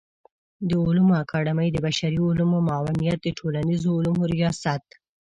د علومو اکاډمۍ د بشري علومو معاونيت د ټولنيزو علومو ریاست